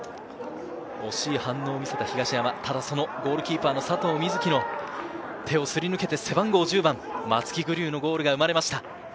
惜しい反応を見せた東山、ゴールキーパーの佐藤瑞起の手をすり抜けて背番号１０番・松木玖生のゴールが生まれました。